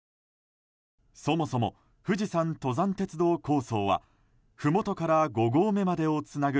そもそも富士山登山鉄道構想はふもとから５合目までをつなぐ